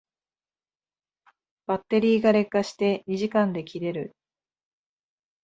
バッテリーが劣化して二時間で切れる